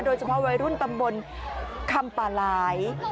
โดยเฉพาะวัยรุ่นตำบลคำป่าหลาย